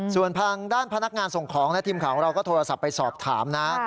ส่วนทางด้านพนักงานส่งของและทีมข่าวของเราก็โทรศัพท์ไปสอบถามนะ